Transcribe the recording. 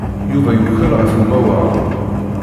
Yuba yukel ɣef umawaɣ.